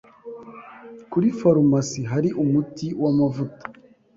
Kuri farumasi hari umuti w'amavuta